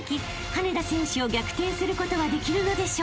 羽根田選手を逆転することはできるのでしょうか？］